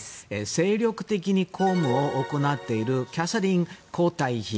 精力的に公務を行っているキャサリン皇太子妃。